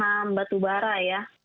saham saham batubara ya